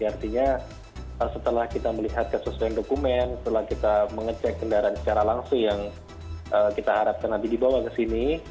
artinya setelah kita melihat kesesuaian dokumen setelah kita mengecek kendaraan secara langsung yang kita harapkan nanti dibawa ke sini